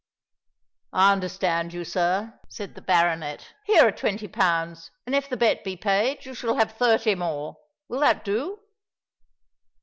"I understand you, sir," said the baronet. "Here are twenty pounds: and if the bet be paid, you shall have thirty more. Will that do?"